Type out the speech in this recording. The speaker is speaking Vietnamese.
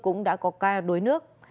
cũng đã có ca đối nước